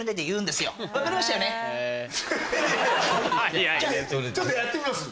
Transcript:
いやちょっとやってみます？